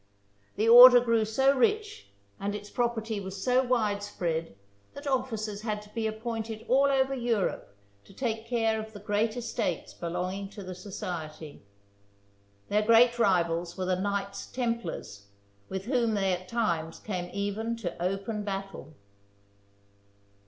The order grew so rich and its property was so widespread that officers had to be appointed all over Europe to take care of the great estates belonging to the society. Their great rivals were the Knights Templars, with whom they at times came even to open battle.